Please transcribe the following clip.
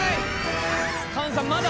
菅さんまだ。